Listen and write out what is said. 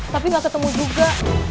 tapi gak ketemu juga